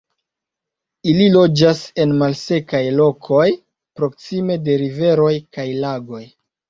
Ili loĝas en malsekaj lokoj proksime de riveroj kaj lagoj.